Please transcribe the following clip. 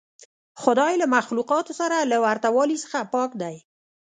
خدای له مخلوقاتو سره له ورته والي څخه پاک دی.